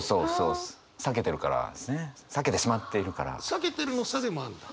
避けてるの「避」でもあるんだ？